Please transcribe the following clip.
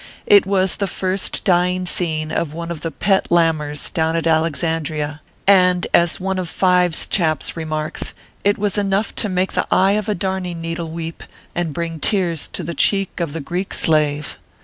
It was the first dying scene of one of ORPHEUS C. KERR PAPERS. 47 the " Pet Laminers," down at Alexandria, and, as one of Five s chaps remarks, it was enough to make the eye of a darning needle weep, and bring tears to the cheek of the Greek slave.